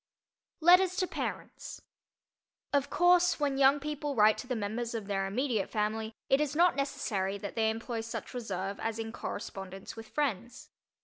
LETTERS TO PARENTS Of course, when young people write to the members of their immediate family, it is not necessary that they employ such reserve as in correspondence with friends.